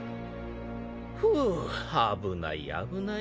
フゥ危ない危ない。